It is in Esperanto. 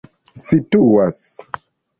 situas